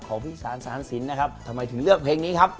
ของพี่สารสารสินนะครับทำไมถึงเลือกเพลงนี้ครับ